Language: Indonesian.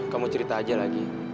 kamu cerita aja lagi